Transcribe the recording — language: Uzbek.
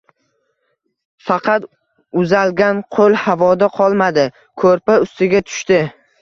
Faqat uzalgan qo'l havoda qolmadi, ko'rpa ustiga tushdi.